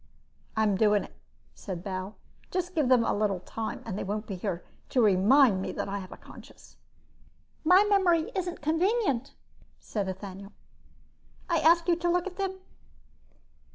"I'm doing it," said Bal. "Just give them a little time and they won't be here to remind me that I have a conscience." "My memory isn't convenient," said Ethaniel. "I ask you to look at them."